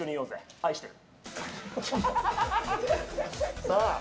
愛してる。